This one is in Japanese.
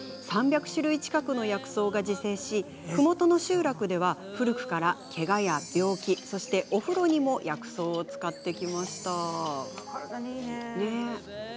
３００種類近くの薬草が自生しふもとの集落では古くからけがや病気、そしてお風呂にも薬草を使ってきました。